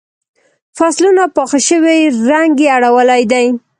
فصلونه پاخه شوي رنګ یې اړولی دی.